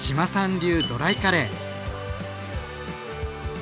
流ドライカレー。